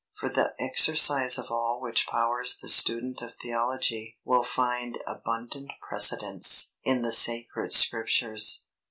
For the exercise of all which powers the student of Theology will find abundant precedents in the sacred Scriptures.